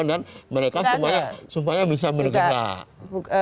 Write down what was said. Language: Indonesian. dan mereka supaya bisa bergerak